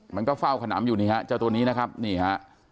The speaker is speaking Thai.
มันก็เฝ้าขนำอยู่นี่ฮะเจ้าตัวนี้นะครับนี่ฮะ